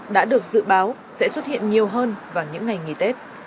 đã được dự báo sẽ xuất hiện nhiều hơn vào những ngày nghỉ tết